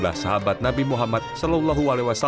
adalah sahabat nabi muhammad saw